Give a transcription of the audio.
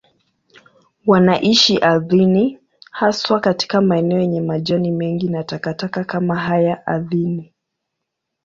Wanaishi ardhini, haswa katika maeneo yenye majani mengi na takataka kama haya ardhini.